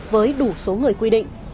với đủ số người quy định